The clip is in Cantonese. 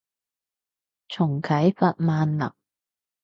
重啟法萬能